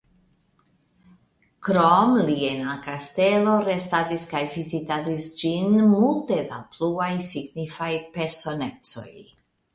Krom li en la kastelo restadis kaj vizitadis ĝin multe da pluaj signifaj personecoj.